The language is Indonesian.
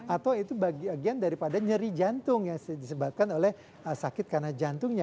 atau itu bagian daripada nyeri jantung yang disebabkan oleh sakit karena jantungnya